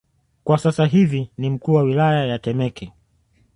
kwa sasa hivi ni mkuu wa wilaya ya Temeke